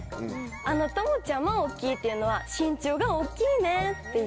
あなたも「じゃまおっきい」っていうのは身長がおっきいねっていう。